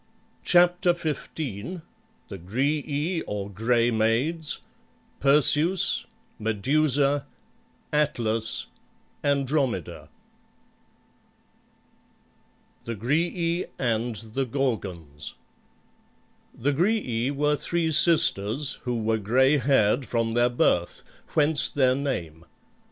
CHAPTER XV THE GRAEAE OR GRAY MAIDS PERSEUS MEDUSA ATLAS ANDROMEDA THE GRAEAE AND THE GORGONS The Graeae were three sisters who were gray haired from their birth, whence their name.